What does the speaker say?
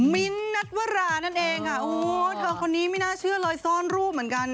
มิ้นท์นัทวรานั่นเองค่ะโอ้เธอคนนี้ไม่น่าเชื่อเลยซ่อนรูปเหมือนกัน